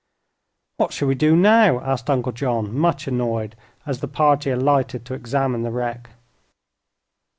"What shall we do now?" asked Uncle John, much annoyed, as the party alighted to examine the wreck.